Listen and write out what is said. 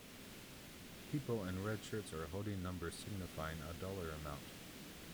People in red shirts are holding numbers signifying a dollar amount.